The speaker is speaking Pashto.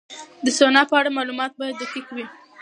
د سونا په اړه معلومات باید دقیق وي.